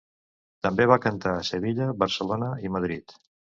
També va cantar a Sevilla, Barcelona i Madrid.